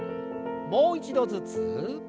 もう一度ずつ。